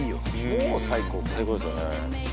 もう最高最高ですよね